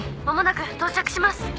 間もなく到着します。